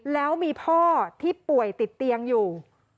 แล้วมีพ่อที่ป่วยติดเตียงอยู่